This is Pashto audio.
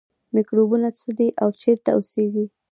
میکروبونه څه دي او چیرته اوسیږي